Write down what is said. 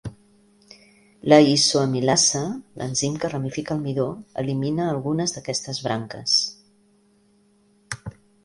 La isoamilasa, l'enzim que ramifica el midó, elimina algunes d'aquestes branques.